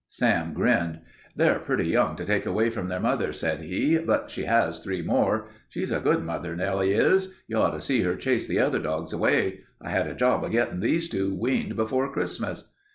Sam grinned. "They're pretty young to take away from their mother," said he, "but she has three more. She's a good mother, Nellie is. You ought to see her chase the other dogs away. I had a job of it gettin' these two weaned before Christmas."